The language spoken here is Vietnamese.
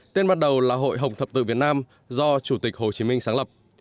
tên bắt đầu là hội hồng thập tự việt nam do chủ tịch hồ chí minh sáng lập